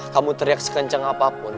kamu teriak sekenceng apapun